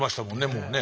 もうね。